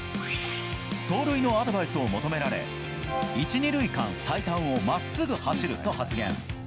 走塁のアドバイスを求められ１、２塁間最短を真っすぐ走ると発言。